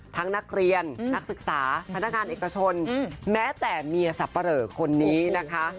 นักเรียนนักศึกษาพนักงานเอกชนแม้แต่เมียสับปะเหลอคนนี้นะคะ